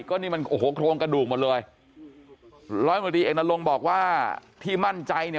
ก็นี่มันโอ้โหโครงกระดูกหมดเลยร้อยมดีเอกนรงค์บอกว่าที่มั่นใจเนี่ย